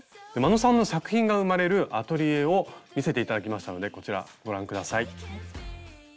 眞野さんの作品が生まれるアトリエを見せて頂きましたのでこちらご覧下さい。